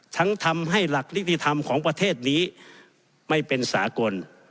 ทำให้หลักนิติธรรมของประเทศนี้ไม่เป็นสากล